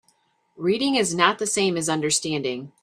Reading is not the same as understanding.